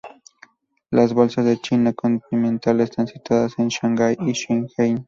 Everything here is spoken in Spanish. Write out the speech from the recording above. Las bolsas de China continental están situadas en Shanghái y Shenzhen.